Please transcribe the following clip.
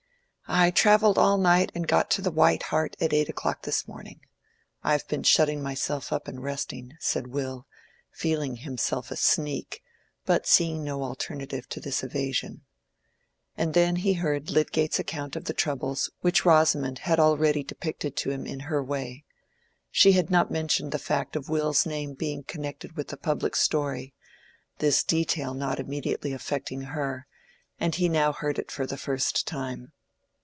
"I travelled all night and got to the White Hart at eight o'clock this morning. I have been shutting myself up and resting," said Will, feeling himself a sneak, but seeing no alternative to this evasion. And then he heard Lydgate's account of the troubles which Rosamond had already depicted to him in her way. She had not mentioned the fact of Will's name being connected with the public story—this detail not immediately affecting her—and he now heard it for the first time.